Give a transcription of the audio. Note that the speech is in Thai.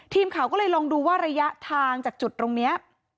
ทีมข่าวก็เลยลองดูว่าระยะทางจากจุดตรงนี้